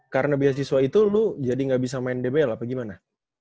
karena beasiswa itu lo jadi ga bisa main dbl apa gimana